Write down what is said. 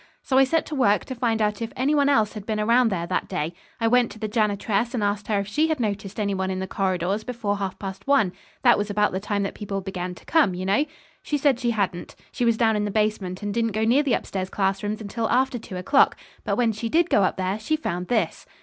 So I set to work to find out if any one else had been around there that day. I went to the janitress and asked her if she had noticed any one in the corridors before halfpast one. That was about the time that people began to come, you know. She said she hadn't. She was down in the basement and didn't go near the upstairs classrooms until after two o'clock. But when she did go up there she found this."